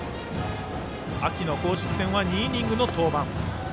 秋の公式戦は２イニングの登板。